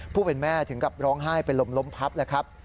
ผู้เป็นแม่ถึงกับร้องไห้เป็นลมล้มพับแล้วครับ